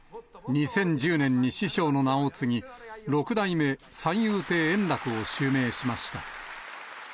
２０１０年に師匠の名を継ぎ、六代目三遊亭円楽を襲名しました。